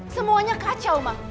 semuanya kacau ma